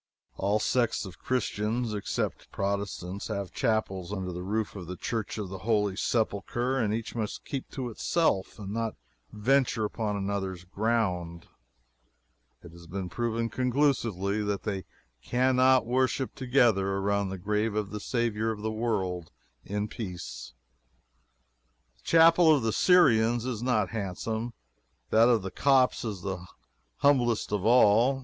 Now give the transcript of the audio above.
All sects of Christians (except Protestants,) have chapels under the roof of the Church of the Holy Sepulchre, and each must keep to itself and not venture upon another's ground. It has been proven conclusively that they can not worship together around the grave of the Saviour of the World in peace. The chapel of the Syrians is not handsome; that of the Copts is the humblest of them all.